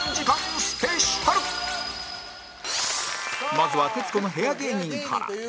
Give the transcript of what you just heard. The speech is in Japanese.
まずは徹子の部屋芸人から